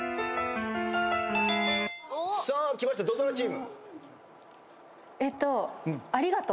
さあきました水１０チーム。